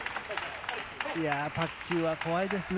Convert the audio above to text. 卓球は怖いですね。